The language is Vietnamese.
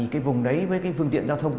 cái vùng đấy với phương tiện giao thông